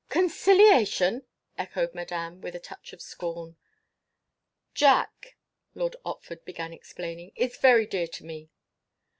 "Conciliation!" echoed Madame, with a touch of scorn. "Jack," Lord Otford began explaining, "is very dear to me."